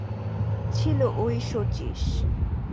ছিল ঐ শচীশ।